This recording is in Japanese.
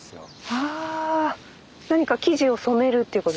はあ何か生地を染めるっていうこと？